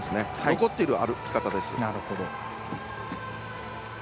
残っている歩き方です。